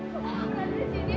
kau berada di sini